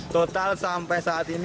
total sampai saat ini